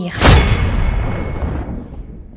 รตุิด